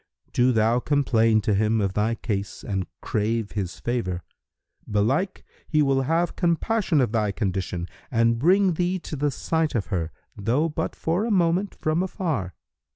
Do thou complain to him of thy case and crave his favour: belike he will have compassion on thy condition and bring thee to the sight of her, though but for a moment from afar.